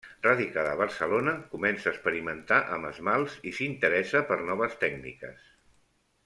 Radicada a Barcelona, comença a experimentar amb esmalts i s'interessa per noves tècniques.